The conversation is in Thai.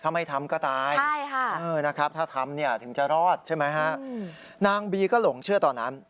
ทำให้ทำก็ตายถ้าทำถึงจะรอดใช่ไหมฮะนางบีก็หลงเชื่อตอนนั้น